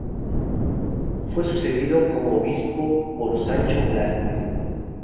Fue sucedido como obispo por Sancho Blázquez Dávila.